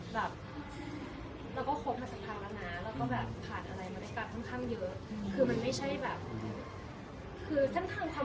แบบแล้วก็โค้ดผ่านสังพันธ์กันนะ